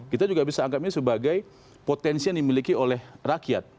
kita juga bisa anggapnya sebagai potensi yang dimiliki oleh rakyat